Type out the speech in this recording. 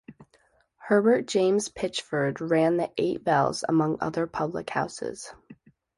Herbert James Pitchford ran the Eight Bells among other public houses.